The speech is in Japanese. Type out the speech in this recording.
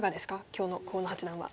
今日の河野八段は。